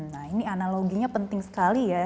nah ini analoginya penting sekali ya